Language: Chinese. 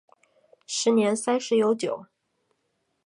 时年三十有九。